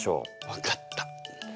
分かった。